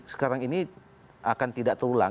sekarang ini akan tidak terulang